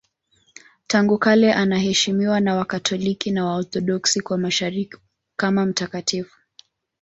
Tangu kale anaheshimiwa na Wakatoliki na Waorthodoksi wa Mashariki kama mtakatifu.